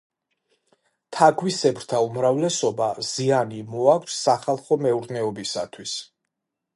თაგვისებრთა უმრავლესობა ზიანი მოაქვს სახალხო მეურნეობისათვის.